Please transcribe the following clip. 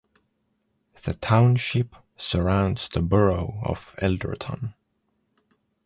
The township surrounds the borough of Elderton.